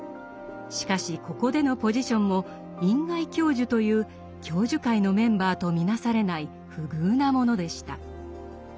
しかしここでのポジションも員外教授という教授会のメンバーと見なされない不遇なものでした。